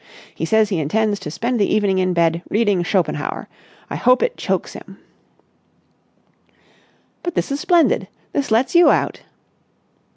He says he intends to spend the evening in bed, reading Schopenhauer. I hope it chokes him!" "But this is splendid! This lets you out."